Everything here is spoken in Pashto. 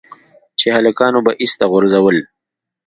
چې هلکانو به ايسته غورځول.